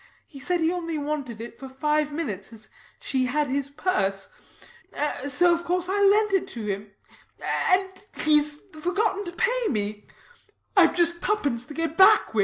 He said he only wanted it for five minutes, as she had his purse. So of course I lent it to him. And he's forgotten to pay me. I've just tuppence to get back with.